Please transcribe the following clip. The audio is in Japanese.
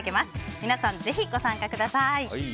皆さん、ぜひご参加してください。